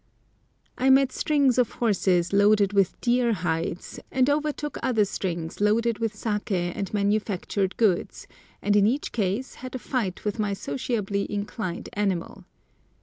I met strings of horses loaded with deer hides, and overtook other strings loaded with saké and manufactured goods and in each case had a fight with my sociably inclined animal.